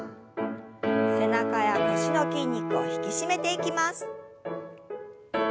背中や腰の筋肉を引き締めていきます。